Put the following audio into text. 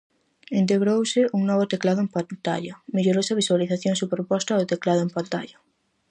Integrouse un novo teclado en pantalla, mellorouse a visualización superposta do teclado en pantalla.